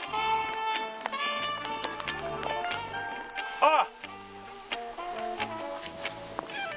あっ！